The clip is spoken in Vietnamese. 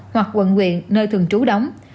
hoặc quận nguyện nơi thường trú đóng